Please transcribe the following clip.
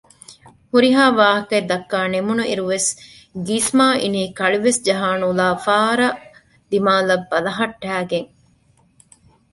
ހުރިހާ ވާހަކައެއް ދައްކާ ނިމުނު އިރުވެސް ގިސްމާ އިނީ ކަޅިވެސް ޖަހާ ނުލާ ފާރާ ދިމާލަށް ބަލަހައްޓައިގެން